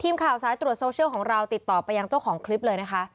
ทีมข่าวสายตรวจโซเชียลของเราติดต่อไปยังเจ้าของคลิปเลยนะคะ